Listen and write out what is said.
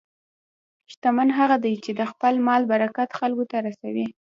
شتمن هغه دی چې د خپل مال برکت خلکو ته رسوي.